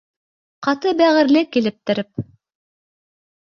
Ҡаты бәғерле килептереп